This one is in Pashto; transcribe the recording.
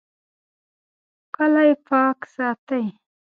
کلی پاک ساتئ